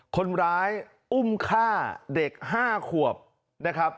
คนร้ายอุ้มฆ่าเด็ก๕ขวบนะครับ